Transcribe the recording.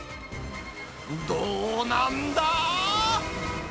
どうなんだ？